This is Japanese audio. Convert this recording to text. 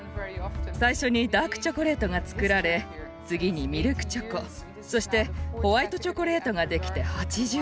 最初にダークチョコレートが作られ次にミルクチョコそしてホワイトチョコレートができて８０年。